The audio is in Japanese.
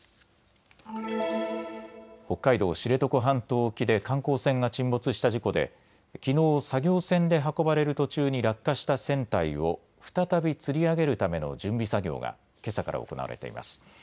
北海道知床半島沖で観光船が沈没した事故できのう、作業船で運ばれる途中に落下した船体を再びつり上げるための準備作業がけさから行われています。